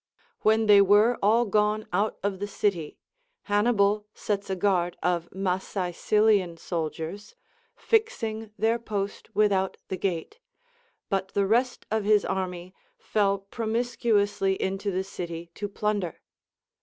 When they were all gone out of the city, Hannibal sets a guard of Masaesylian sol diers, fixing their post without the gate, but the rest of his army fell promiscuously into the city to plunder.